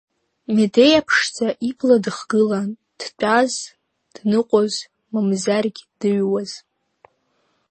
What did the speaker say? Медеиа-ԥшӡа ибла дыхгылан, дтәаз, дныҟәоз, мамзаргь, дыҩуаз.